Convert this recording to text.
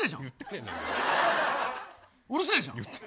うるせえじゃん。